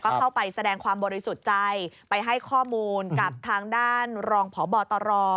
ก็เข้าไปแสดงความบริสุทธิ์ใจไปให้ข้อมูลกับทางด้านรองพบตร